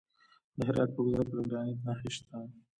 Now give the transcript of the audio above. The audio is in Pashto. د هرات په ګذره کې د ګرانیټ نښې شته.